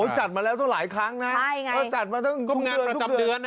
จัดมาแล้วต้องหลายครั้งนะจัดมาต้องทุกงานประจำเดือน